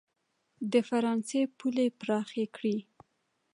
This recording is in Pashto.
د فرانسې پولې پراخې کړي.